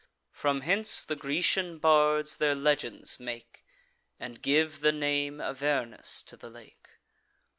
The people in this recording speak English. From hence the Grecian bards their legends make, And give the name Avernus to the lake.